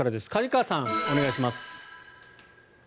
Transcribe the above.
梶川さん、お願いします。